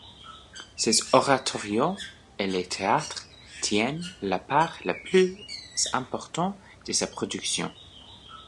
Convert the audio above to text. Ses oratorios et le théâtre tiennent la part la plus importante de sa production.